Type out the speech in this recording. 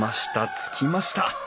着きました。